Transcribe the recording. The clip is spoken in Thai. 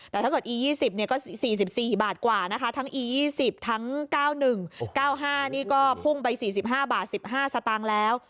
แต่ถ้าเกิดอียี่สิบเนี่ยก็สี่สิบสี่บาทกว่านะคะทั้งอียี่สิบทั้งเก้าหนึ่งเก้าห้านี่ก็พุ่งไปสี่สิบห้าบาทสิบห้าสตางค์แล้ว